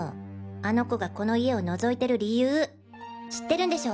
あの子がこの家を覗いてる理由知ってるんでしょ！